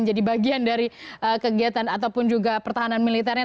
jadi bagian dari kegiatan ataupun juga pertahanan militernya